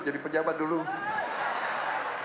tapi kopi emergency selalu ditangani